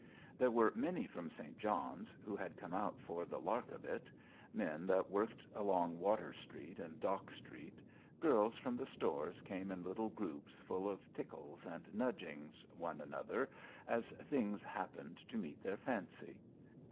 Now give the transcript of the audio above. There were many from St. John's who had come out for the lark of it. Men that worked along Water St. and Dock St. Girls from the stores came in little groups full of tickles and nudging one another as things happened to meet their fancy.